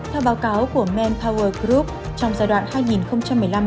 theo báo cáo của manpower group trong giai đoạn hai nghìn một mươi năm hai nghìn hai mươi hai